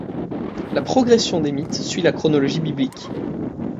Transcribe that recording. La progression des mythes suit la chronologie biblique.